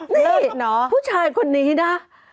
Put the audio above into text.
นี่ผู้ชายคนนี้นะ